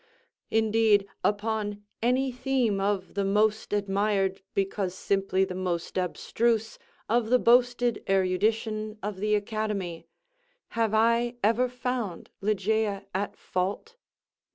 Indeed upon any theme of the most admired, because simply the most abstruse of the boasted erudition of the academy, have I ever found Ligeia at fault?